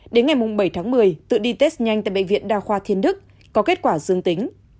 đến ngày bảy tháng một mươi tự đi test nhanh tại bệnh viện đa khoa thiên đức có kết quả dương tính